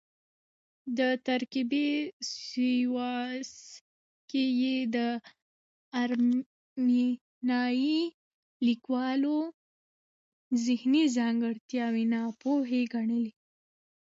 د ترکیې سیواس کې یې د ارمینیايي کلیوالو ذهني ځانګړتیاوې ناپوهې ګڼلې.